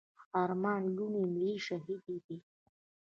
ارمان لوڼي ملي شهيد دی.